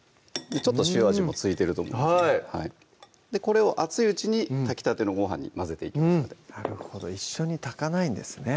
ちょっと塩味も付いてるとはいこれを熱いうちに炊きたてのご飯に混ぜていきますのでなるほど一緒に炊かないんですね